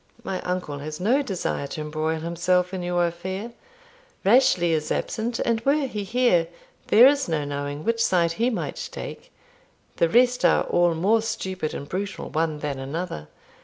My uncle has no desire to embroil himself in your affair; Rashleigh is absent, and were he here, there is no knowing which side he might take; the rest are all more stupid and brutal one than another.